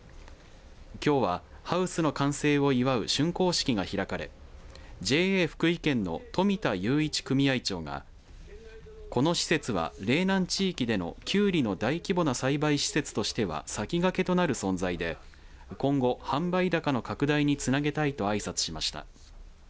きょうはハウスの完成を祝う竣工式が開かれＪＡ福井県の冨田勇一組合長がこの施設は、嶺南地域でのきゅうりの大規模な栽培施設としては先駆けとなる存在で今後、販売高の拡大につなげたいとあいさつしました。